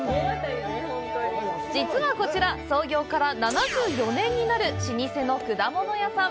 実はこちら、創業から７４年になる老舗の果物屋さん。